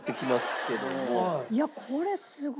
いやこれすごいな。